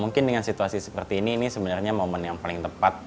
mungkin dengan situasi seperti ini ini sebenarnya momen yang paling tepat